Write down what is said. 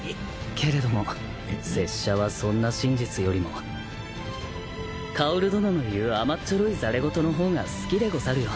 けれども拙者はそんな真実よりも薫殿の言う甘っちょろいざれ言の方が好きでござるよ。